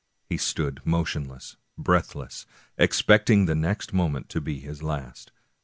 He stood motion less, breathless, expecting the next moment to be his last.